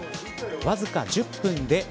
わずか１０分で。